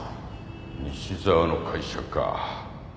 西沢の会社か。